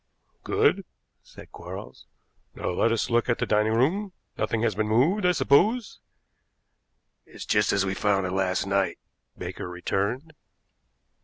"Good," said Quarles. "Now let us look at the dining room. Nothing has been moved, I suppose." "It's just as we found it last night," Baker returned.